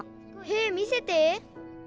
へえ見せて。